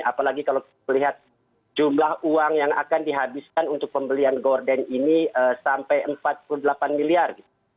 apalagi kalau melihat jumlah uang yang akan dihabiskan untuk pembelian gorden ini sampai empat puluh delapan miliar